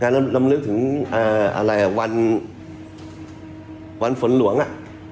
งานอะไรนะงานรำลึกถึงอ่าอะไรอ่ะวันวันฝนหลวงอ่ะ